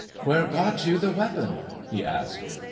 "Where got you the weapon?" he asked.